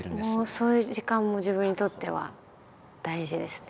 そういう時間も自分にとっては大事ですね。